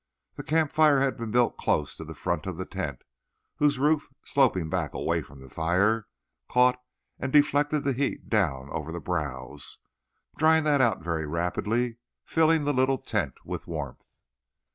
The campfire had been built close to the front of the tent, whose roof, sloping back away from the fire, caught and deflected the heat down over the browse, drying that out very rapidly, filling the little tent with warmth.